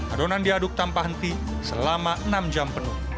adonan diaduk tanpa henti selama enam jam penuh